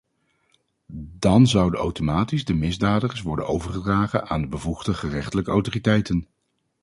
Dan zouden automatisch de misdadigers worden overgedragen aan de bevoegde gerechtelijke autoriteiten.